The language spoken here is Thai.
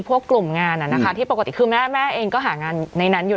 พวกกลุ่มงานที่ปกติคือแม่เองก็หางานในนั้นอยู่